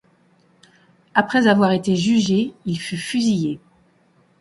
Après avoir été jugé, il fut fusillé.